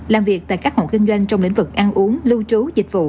làm việc tại các hộ kinh doanh trong lĩnh vực ăn uống lưu trú dịch vụ